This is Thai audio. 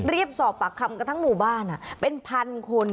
เรียบสอบปากคำกับทั้งหมู่บ้านเป็น๑๐๐๐คน